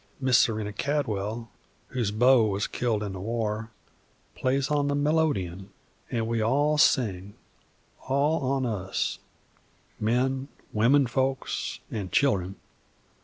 Miss Serena Cadwell, whose beau was killed in the war, plays on the melodeon, and we all sing, all on us, men, womenfolks, an' children.